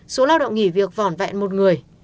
số lao động nghỉ việc vỏn vẹn một người